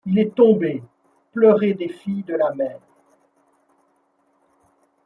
Il est tombé, pleuré des filles de la mer ;